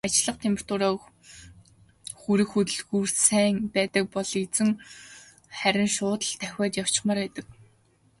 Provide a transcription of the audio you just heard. Ажиллах температуртаа хүрэх хөдөлгүүрт сайн байдаг бол эзэн харин шууд л давхиад явчихмаар байдаг.